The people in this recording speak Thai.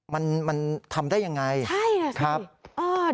มันทำได้อย่างไรครับใช่ครับ